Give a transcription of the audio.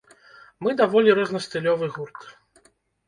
Мы даволі рознастылёвы гурт.